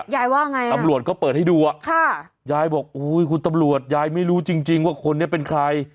ยายว่าไงตำรวจก็เปิดให้ดูอ่ะค่ะยายบอกโอ้ยคุณตำรวจยายไม่รู้จริงว่าคนนี้เป็นใคร